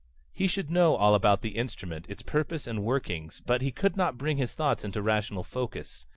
He should know all about the instrument, its purpose and workings, but he could not bring his thoughts into rational focus.